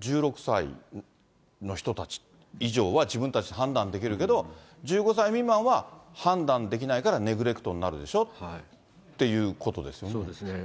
１６歳の人たち、以上は自分で判断できるけど、１５歳未満は判断できないからネグレクトになるでしょっていうこそうですね。